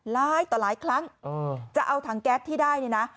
หลายต่อหลายครั้งจะเอาถังแก๊สที่ได้เนี่ยนะ